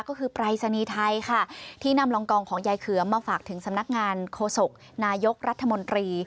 ก็คือปรายศนีย์ไทยค่ะที่นำรองกองของยายเขือมาฝากถึงสำนักงานโฆษกนายกรัฐมนตรี